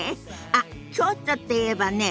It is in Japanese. あっ京都っていえばね